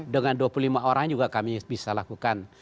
dengan dua puluh lima orang juga kami bisa lakukan